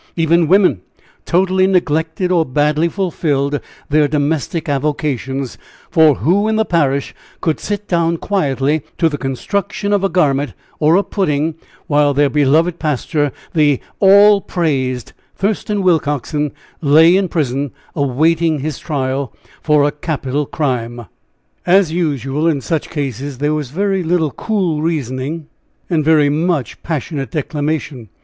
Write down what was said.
Even women totally neglected, or badly fulfilled, their domestic avocations; for who in the parish could sit down quietly to the construction of a garment or a pudding while their beloved pastor, the "all praised" Thurston Willcoxen, lay in prison awaiting his trial for a capital crime? As usual in such cases, there was very little cool reasoning, and very much passionate declamation.